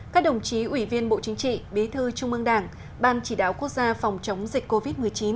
các đồng chí ủy viên bộ chính trị bí thư trung ương đảng ban chỉ đạo quốc gia phòng chống dịch covid một mươi chín